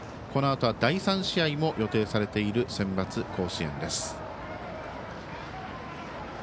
このあとは第３試合も予定されているセンバツ甲子園。